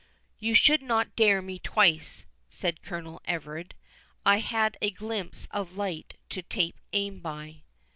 "You should not dare me twice," said Colonel Everard, "had I a glimpse of light to take aim by."